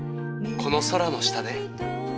この空の下で。